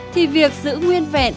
thì việc giữ nguyên vẹn